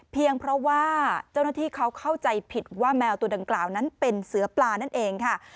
เพียงเพราะว่าเจ้าหน้าที่เขาเข้าใจผิดว่าแมวตัวดังกล่าวนั้นเป็นเสือปลานั่นเองค่ะ